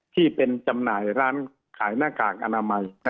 ที่เป็นจำหน่ายร้านขายหน้ากากอนามัย